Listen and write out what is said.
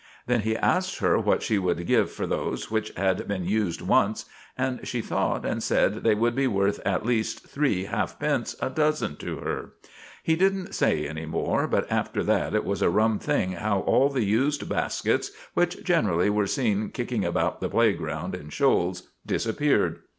Then he asked her what she would give for those which had been used once, and she thought, and said they would be worth at least three halfpence a dozen to her. He didn't say any more, but after that it was a rum thing how all the used baskets, which generally were seen kicking about the playground in shoals, disappeared.